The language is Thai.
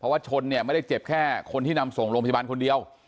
ว่าชนเนี่ยไม่ได้เจ็บแค่คนที่นำส่งโรงพยาบาลคนเดียว